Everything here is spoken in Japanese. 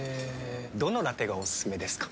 どのラテがおすすめですか？